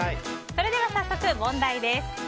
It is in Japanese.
それでは問題です。